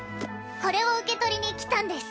これを受け取りに来たんです。